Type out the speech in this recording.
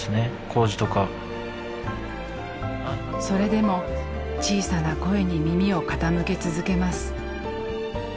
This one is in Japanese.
それでも小さな声に耳を傾け続けます。